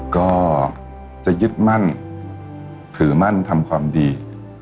ก็จะยึดมั่นถือมั่นทำความดี